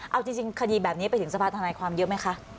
เอาจริงคดีแบบนี้ไปถึงสภาธนายความเยอะไหมคะ